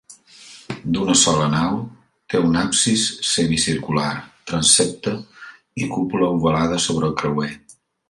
D'una sola nau, té un absis semicircular, transsepte i cúpula ovalada sobre el creuer.